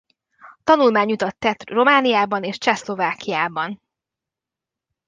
Tanulmányutat tett Romániában és Csehszlovákiában.